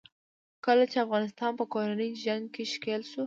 کله چې افغانستان په کورني جنګ کې ښکېل شو.